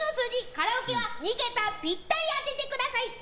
カラオケは２桁ピッタリ当ててください。